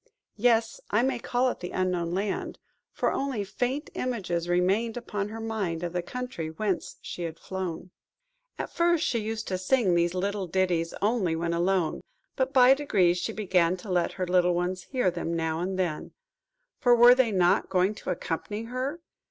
Yes! I may call it the Unknown Land; for only faint images remained upon her mind of the country whence she had flown. At first she used to sing these ditties only when alone, but by degrees she began to let her little ones hear them now and then,–for were they not going to accompany her?